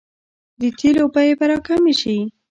د تیلو بیې به راکمې شي؟